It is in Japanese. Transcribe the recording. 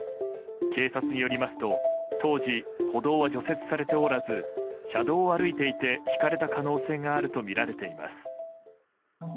警察によりますと当時、歩道は除雪されておらず車道を歩いていてひかれた可能性があるとみられています。